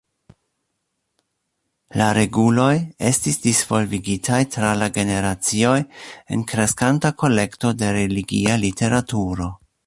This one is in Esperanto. La reguloj estis disvolvigitaj tra la generacioj en kreskanta kolekto de religia literaturo.